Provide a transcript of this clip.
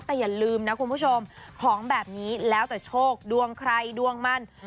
แต่อย่าลืมนะคุณผู้ชมของแบบนี้แล้วแต่โชคดวงใครดวงมัน